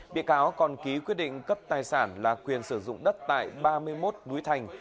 bị cáo còn ký quyết định cấp tài sản là quyền sử dụng đất tại ba mươi một núi thành